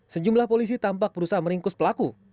sejumlah polisi tampak berusaha meringkus pelaku